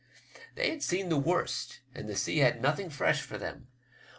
They had seen the worst, and the sea had nothing fresh for them.